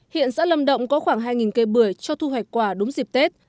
hiện xã lâm động có khoảng hai cây bưởi cho thu hoạch quả đúng dịp tết